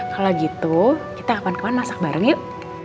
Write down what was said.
kalau gitu kita kapan kapan masak bareng yuk